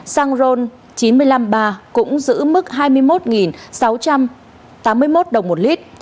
xăng ron chín trăm năm mươi ba cũng giữ mức hai mươi một sáu trăm tám mươi một đồng một lít